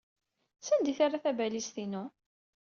Sanda ay terra tabalizt-inu?